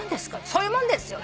そういうもんですよ。